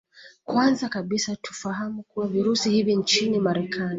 Kwanza kabisa tufahamu kuwa Virusi hivi nchini Marekani